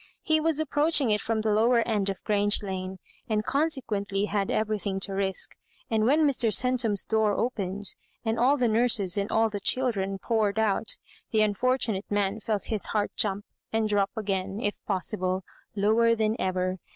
He was approaching it from the lower end of Grange Lane, and conse quently had everything to risk ; and when Mr. Centura's door opened, and all the nurses and all the children poured out, the unfortunate man felt his heart jump, and drop again, if possible, lower than ever.